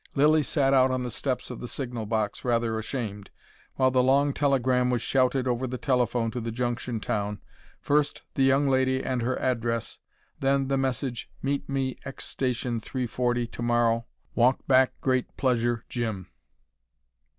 Lilly sat out on the steps of the signal box, rather ashamed, while the long telegram was shouted over the telephone to the junction town first the young lady and her address, then the message "Meet me X. station 3:40 tomorrow walk back great pleasure Jim."